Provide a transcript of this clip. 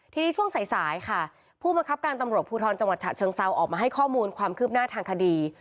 ทีนี้ช่วงสายสายค่ะผู้บังคับการตำรวจภูทรจังหวัดฉะเชิงเซาออกมาให้ข้อมูลความคืบหน้าทางคดี